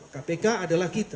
kpk adalah kita